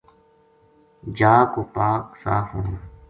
جا کو پاک صاف ہونو۔